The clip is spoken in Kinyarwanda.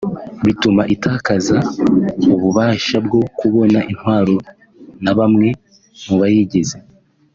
bitume itakaza ububasha bwo kubona intwaro na bamwe mu bayigize